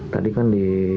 tadi kan di